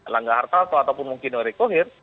langga harta atau mungkin orekohir